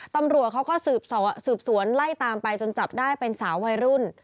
ตำรวจเขาก็สืบสวนไล่ตามไปจนจับได้เป็นสาววัยรุ่น